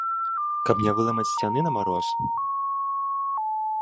Каб не выламаць сцяны на мароз?